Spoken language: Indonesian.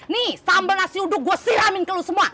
nih sambal nasi uduk gue siramin ke lu semua